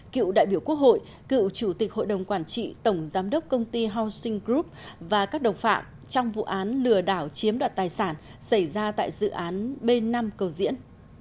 cựu đại biểu quốc hội cựu chủ tịch hội đồng quản trị tổng giám đốc công ty housing group và các đồng phạm trong vụ án lừa đảo chiếm đoạt tài sản xảy ra tại dự án b năm cầu diễn